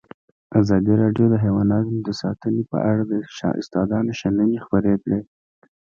ازادي راډیو د حیوان ساتنه په اړه د استادانو شننې خپرې کړي.